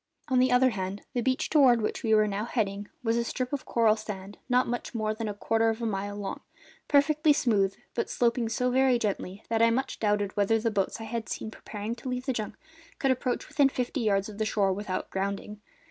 On the other hand, the beach toward which we were now heading was a strip of coral sand not more than a quarter of a mile long, perfectly smooth, but sloping so very gently that I much doubted whether the boats I had seen preparing to leave the junk could approach within fifty yards of the shore without grounding.